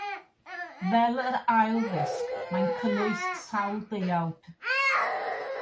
Fel yr ail ddisg, mae'n cynnwys sawl deuawd.